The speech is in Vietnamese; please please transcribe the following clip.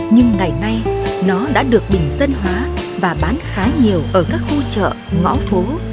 nhưng ngày nay nó đã được bình dân hóa và bán khá nhiều ở các khu chợ ngõ phố